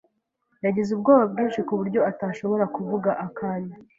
Yagize ubwoba bwinshi kuburyo atashobora kuvuga akanya.